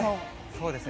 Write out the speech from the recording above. そうですね。